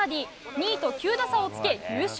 ２位と９打差をつけ優勝。